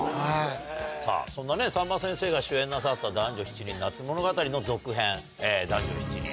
さぁそんなさんま先生が主演なさった『男女７人夏物語』の続編。